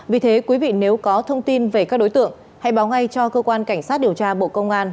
vì thế quý vị nếu có thông tin về các đối tượng hãy báo ngay cho cơ quan cảnh sát điều tra bộ công an